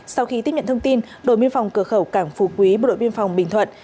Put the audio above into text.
sau khi tiếp nhận thông tin đội biên phòng cửa khẩu cảng phú quý bộ đội biên phòng bình thuận